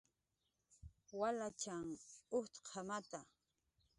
Walachn ujtqamata